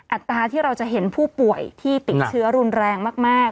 อัตราที่เราจะเห็นผู้ป่วยที่ติดเชื้อรุนแรงมาก